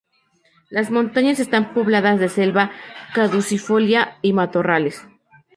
Las montañas están pobladas de selva caducifolia y matorrales.